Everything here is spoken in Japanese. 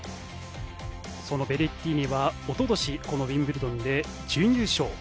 そのベレッティーニはおととしこのウィンブルドンで準優勝。